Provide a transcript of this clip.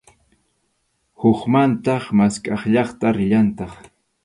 Hukmantas maskhaq llaqta rillantaq.